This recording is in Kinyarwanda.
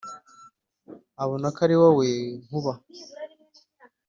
Abona ko ari wowe Nkuba